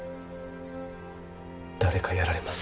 誰かやられます。